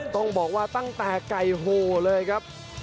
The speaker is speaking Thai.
ต้องบอกว่าตั้งแต่ไก่โหเลยครับ